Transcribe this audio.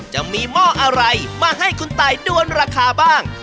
หม้ออะไรมาให้คุณตายด้วนราคาบ้าง